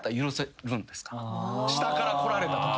下からこられたとき。